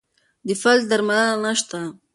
د فلج درملنه نشته.